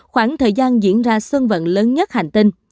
khoảng thời gian diễn ra sân vận lớn nhất hành tinh